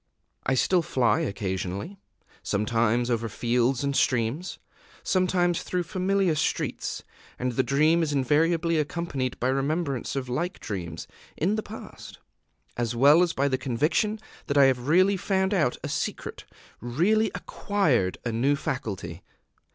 I still fly occasionally, sometimes over fields and streams, sometimes through familiar streets; and the dream is invariably accompanied by remembrance of like dreams in the past, as well as by the conviction that I have really found out a secret, really acquired a new faculty.